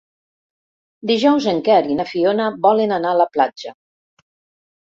Dijous en Quer i na Fiona volen anar a la platja.